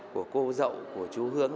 của cô dậu của chú hướng